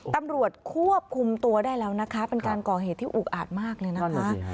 ตำรวจควบคุมตัวได้แล้วนะคะเป็นการก่อเหตุที่อุกอาจมากเลยนะคะ